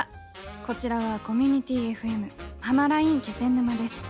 こちらはコミュニティＦＭ「はまらいん気仙沼」です。